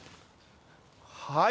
はい。